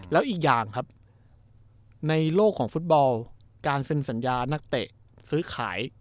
แล้วอีกอย่างครับในโลกของฟุตบอลการเซ็นสัญญานักเตะซื้อขาย